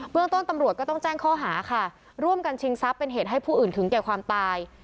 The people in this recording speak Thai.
เรื่องต้นตำรวจก็ต้องแจ้งข้อหาค่ะร่วมกันชิงทรัพย์เป็นเหตุให้ผู้อื่นถึงแก่ความตาย